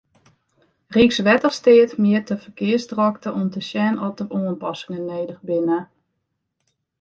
Rykswettersteat mjit de ferkearsdrokte om te sjen oft der oanpassingen nedich binne.